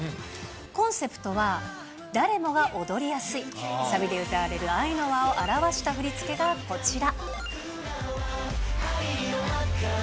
コンセプトは、誰もが踊りやすい、サビで歌われる愛の輪を表した振り付けがこちら。